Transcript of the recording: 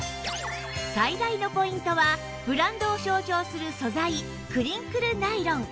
最大のポイントはブランドを象徴する素材クリンクルナイロン